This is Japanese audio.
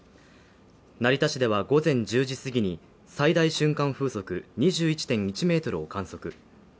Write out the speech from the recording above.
成田市では午前１０時過ぎに最大瞬間風速２１．１ｍを観測。